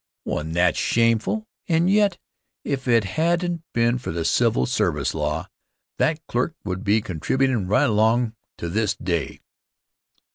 Wasn't that shameful? And yet, if it hadn't been for the civil service law, that clerk would be contributin' right along to this day.